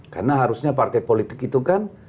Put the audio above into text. karena harusnya partai politik itu kan